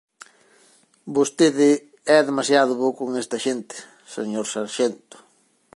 Vostede é demasiado bo con esta xente, señor sarxento.